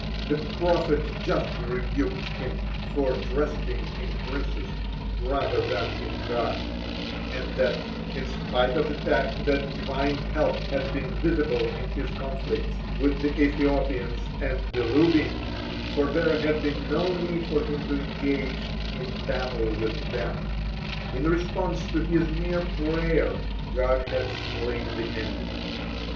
(20) The prophet justly rebuked him for trusting in princes rather than in God, and that in spite of the fact that Divine help had been visible in his conflicts with the Ethiopians and the Lubim; for there had been no need for him to engage in battle with them; in response to his mere prayer God had slain the enemy.